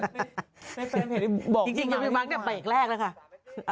เลขแฟนเพจนี้บอกจริงยังไม่มีบางเลขแปลกแรกแล้วค่ะ